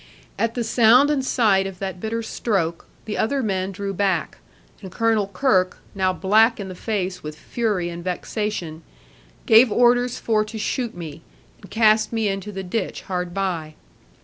At the sound and sight of that bitter stroke, the other men drew back; and Colonel Kirke, now black in the face with fury and vexation, gave orders for to shoot me, and cast me into the ditch hard by.